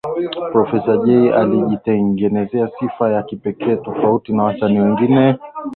Profesa Jay alijitengezea sifa ya kipekee tofauti na wasanii wengine